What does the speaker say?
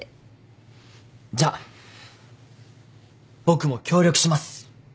じゃあ僕も協力します。